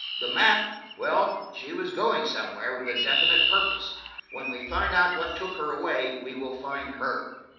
The map–well, she was going somewhere, with a definite purpose. When we find out what took her away, we will find her."